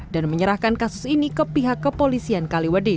dan menyerahkan kasus ini ke pihak kepolisian kaliwadi